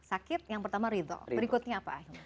sakit yang pertama ridho berikutnya apa akhirnya